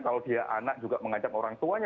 kalau dia anak juga mengajak orang tuanya